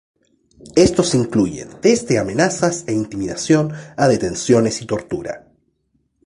Estos incluyen desde amenazas e intimidación a detenciones y tortura.